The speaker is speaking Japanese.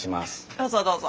どうぞどうぞ。